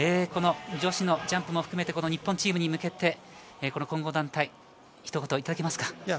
女子のジャンプも含めて日本チームに向けて混合団体、ひと言いただけますか。